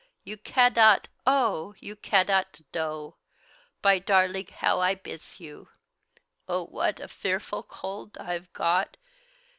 You caddot, oh! you caddot kdow, By darlig, how I biss you (Oh, whadt a fearful cold I've got!